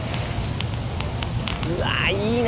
うわいいね！